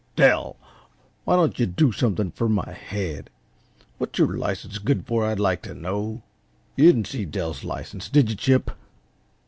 Dell, why don't yuh do something fer my head? What's your license good f er, I'd like t' know? You didn't see Dell's license, did yuh, Chip?